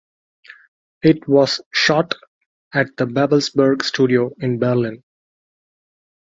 It was shot at the Babelsberg Studios in Berlin.